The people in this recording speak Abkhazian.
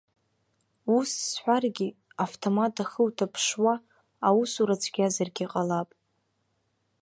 Ус сҳәаргьы, автомат ахы уҭаԥшуа аусура цәгьазаргьы ҟалап.